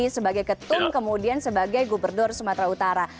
sebagai ketum kemudian sebagai gubernur sumatera utara